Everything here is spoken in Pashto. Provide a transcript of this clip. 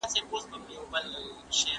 تګلارې په سوسیالستي هیوادونو کي پلي کیږي.